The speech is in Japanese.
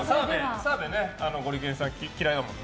澤部、ゴリけんさんのこと嫌いだもんね。